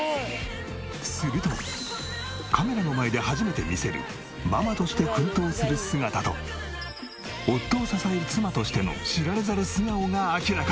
するとカメラの前で初めて見せるママとして奮闘する姿と夫を支える妻としての知られざる素顔が明らかに。